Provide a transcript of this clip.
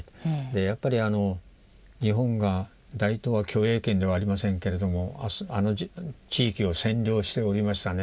やっぱり日本が大東亜共栄圏ではありませんけれどもあの地域を占領しておりましたね。